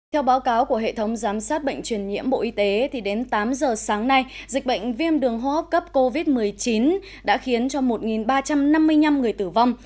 theo báo cáo của hệ thống giám sát bệnh truyền nhiễm bộ y tế đến tám giờ sáng nay dịch bệnh viêm đường hô hấp cấp covid một mươi chín đã khiến cho một ba trăm năm mươi năm người tử vong